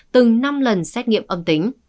từng năm lần xét nghiệm âm tính